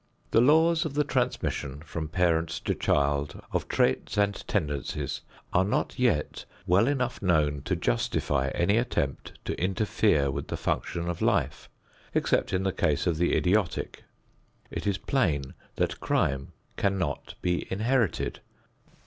The laws of the transmission from parent to child of traits and tendencies are not yet well enough known to justify any attempt to interfere with the function of life, except in the case of the idiotic. It is plain that crime cannot be inherited.